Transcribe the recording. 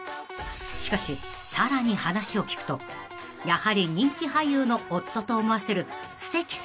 ［しかしさらに話を聞くとやはり人気俳優の夫と思わせるすてき過ぎる一面が］